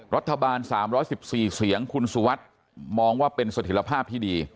รัฐบาล๓๑๔เสียงคุณสุวัสดิ์มองว่าเป็นสถิตภาพที่ดี